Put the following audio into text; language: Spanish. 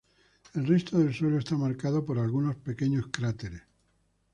El resto del suelo está marcado por algunos pequeños cráteres.